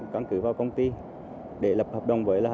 đặc biệt trong dịp cuối năm